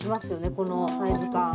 このサイズ感。